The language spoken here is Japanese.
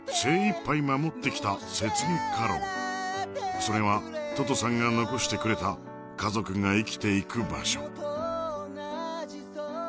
それはととさんが残してくれた家族が生きていく場所